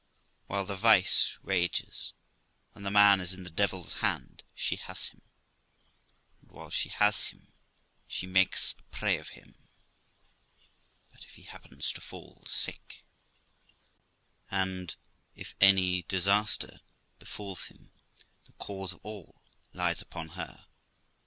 While the vice rages, and the man is in the devil's hand, she has him ; and while she has him, she makes a prey of him; but if he happens to fall sick, if any disaster befalls him, the cause of all lies upon her.